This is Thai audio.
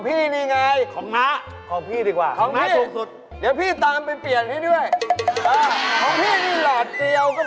พี่ต้องขอที่ราคาถูกที่สุดได้ไหม